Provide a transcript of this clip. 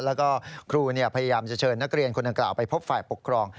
แล้วก็ครูพยายามจะเชิญนักเรียนคนดังกล่าวไปพบฝ่ายปกครอง